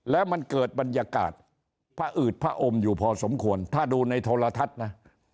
แล้วมันเกิดบรรยากาศผอืดพระอมอยู่พอสมควรถ้าดูในโทรทัศน์นะ